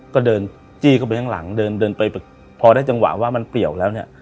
ก็เดินจี้เข้าไปข้างหลังเดินเดินไปพอได้จังหวะว่ามันเปรียวแล้วเนี่ย